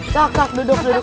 tak tak duduk duduk duduk